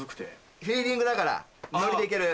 フィーリングだからノリでいける。